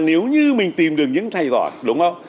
nếu như mình tìm được những thầy giỏi đúng không